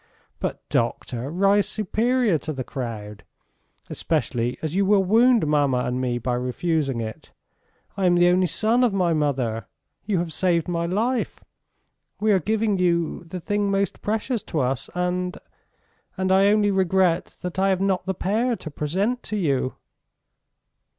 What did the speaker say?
... But, doctor, rise superior to the crowd, especially as you will wound mamma and me by refusing it. I am the only son of my mother, you have saved my life. ... We are giving you the thing most precious to us and ... and I only regret that I have not the pair to present to you.